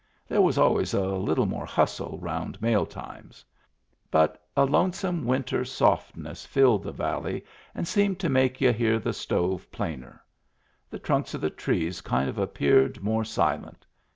There was always a little more hustle round mailtimes. But a lonesome winter softness filled the valley and seemed to make y'u hear the stove plainer. The trunks of the trees kind of appeared more silent.